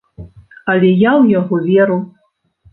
Але я ў яго веру.